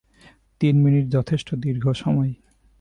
তিন মিনিট যথেষ্ট দীর্ঘ সময়!